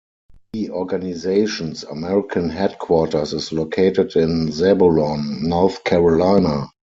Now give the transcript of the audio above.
The organization's American headquarters is located in Zebulon, North Carolina.